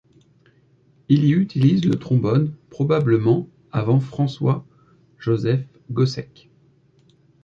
Il y utilise le trombone, probablement avant François-Joseph Gossec.